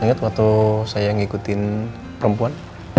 ingat waktu saya ngikutin perempuan